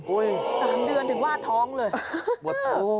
โอ๊ย๓เดือนถึงวาดท้องเลยโอ้โฮ